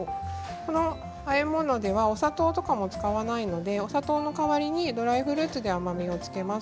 このあえ物ではお砂糖とか使わないのでお砂糖の代わりにドライフルーツで甘みを付けます。